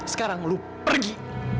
sekarang lo pergi